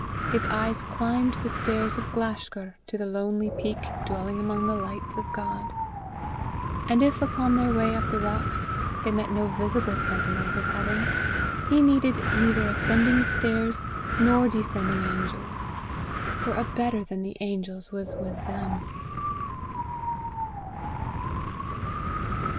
His eyes climbed the stairs of Glashgar to the lonely peak dwelling among the lights of God; and if upon their way up the rocks they met no visible sentinels of heaven, he needed neither ascending stairs nor descending angels, for a better than the angels was with them.